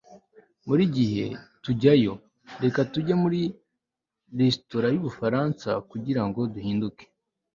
buri gihe tujyayo! reka tujye muri resitora yubufaransa kugirango duhinduke